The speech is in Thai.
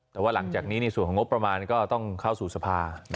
แต่ว่าหลังจากนี้ในส่วนของงบประมาณก็ต้องเข้าสู่สภา